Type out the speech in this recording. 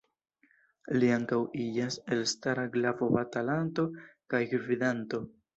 Li ankaŭ iĝas elstara glavo-batalanto kaj gvidanto.